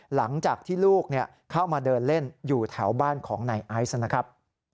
หลังจากที่ลูกเข้ามาเดินเล่นอยู่แถวบ้านของนายไอซ์นะครับ